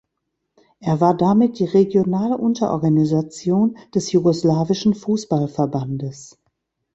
Er war damit die regionale Unterorganisation des jugoslawischen Fußballverbandes.